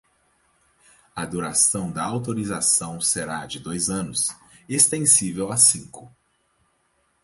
A duração da autorização será de dois anos, extensível a cinco.